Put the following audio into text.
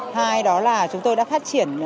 hai đó là chúng tôi đã phát triển